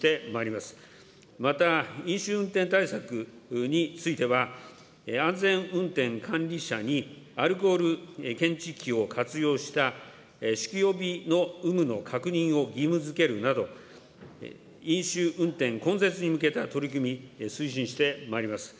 また、飲酒運転対策については、安全運転管理者にアルコール検知器を活用した酒気帯びの有無の確認を義務づけるなど、飲酒運転根絶に向けた取り組み、推進してまいります。